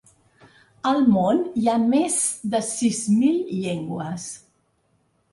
Al món hi ha més de sis mil llengües.